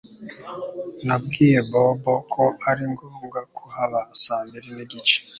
Nabwiye Bobo ko ari ngombwa kuhaba saa mbiri nigice